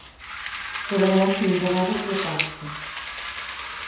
Cobrarà cinc vegades l'aposta.